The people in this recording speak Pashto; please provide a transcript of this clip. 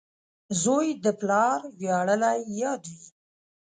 • زوی د پلار ویاړلی یاد وي.